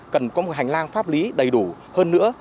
cần có một hành lang pháp lý đầy đủ hơn nữa